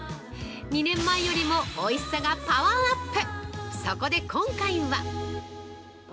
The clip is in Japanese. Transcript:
２年前よりもおいしさがパワーアップ。